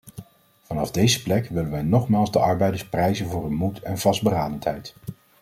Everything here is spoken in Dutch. Vanaf deze plek willen wij nogmaals de arbeiders prijzen voor hun moed en vastberadenheid.